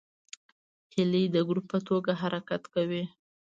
هیلۍ د ګروپ په توګه حرکت کوي